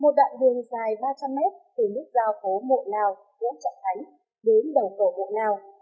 một đoạn đường dài ba trăm linh m từ nước giao phố mội nào quận trọng thánh đến đồng tổ mội nào